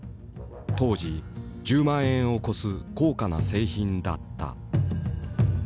当時１０万円を超す高価な製品だった。